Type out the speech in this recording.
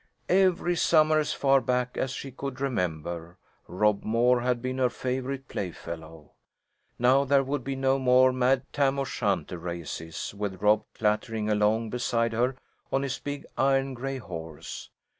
Every summer, as far back as she could remember, Rob Moore had been her favourite playfellow. Now there would be no more mad Tam O'Shanter races, with Rob clattering along beside her on his big iron gray horse.